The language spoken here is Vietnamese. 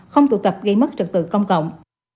không tụ tập gây mất trật tự công cộng